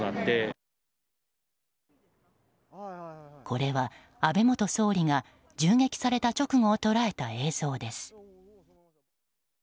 これは、安倍元総理が銃撃された直後を捉えた映像です。